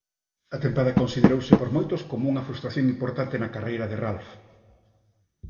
A tempada considerouse por moitos como unha frustración importante na carreira de Ralf.